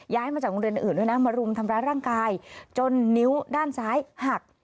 มาจากโรงเรียนอื่นด้วยนะมารุมทำร้ายร่างกายจนนิ้วด้านซ้ายหัก